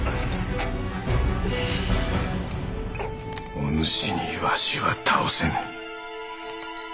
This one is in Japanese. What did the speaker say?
お主にわしは倒せぬ。